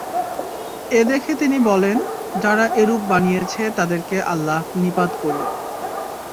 এ দেখে তিনি বলেন, যারা এরূপ বানিয়েছে তাদেরকে আল্লাহ নিপাত করুক।